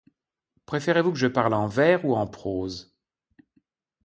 Préférez-vous que je parle en vers ou en prose ?